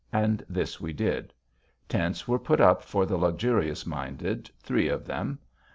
And this we did. Tents were put up for the luxurious minded, three of them.